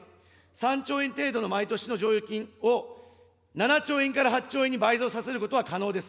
３兆円程度の毎年の剰余金を７兆円から８兆円に倍増させることは可能です。